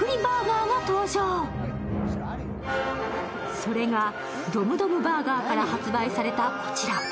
それが、ドムドムバーガーから発売されたこちら。